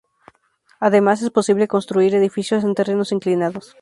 Además, es posible construir edificios en terrenos inclinados.